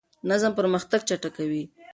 نظم پرمختګ چټکوي.